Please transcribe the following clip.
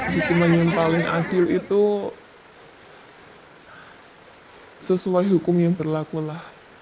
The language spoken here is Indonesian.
hukuman yang paling adil itu sesuai hukum yang berlaku lah